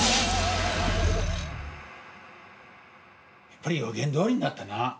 やっぱり予言どおりになったな。